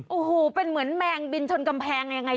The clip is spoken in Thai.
โอ้โหเป็นเหมือนแมงบินชนกำแพงยังไง